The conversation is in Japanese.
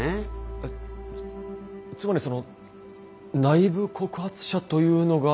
えつまりその内部告発者というのが？